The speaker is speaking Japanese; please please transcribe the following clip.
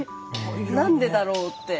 何でだろうって。